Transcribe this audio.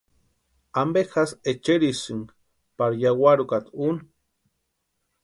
¿Ampe jásï echerisïni pari yawarhi úkata úni?